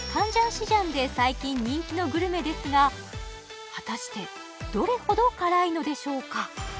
市場で最近人気のグルメですが果たしてどれほど辛いのでしょうか？